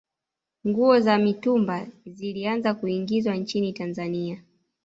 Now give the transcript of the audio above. nguo za mitumba zilianza kuingizwa nchini tanzania